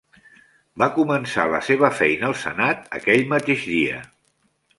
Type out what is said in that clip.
Va començar la seva feina al Senat aquell mateix dia.